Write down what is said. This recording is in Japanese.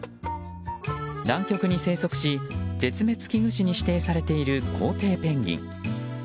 南極に生息し絶滅危惧種に指定されているコウテイペンギン。